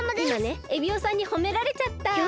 いまねエビオさんにほめられちゃった！